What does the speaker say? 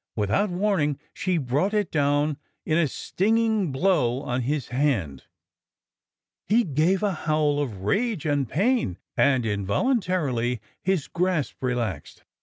Without warning, she brought it down in a stinging blow on his hand. He gave a howl of rage and pain, and involuntarily his grasp relaxed.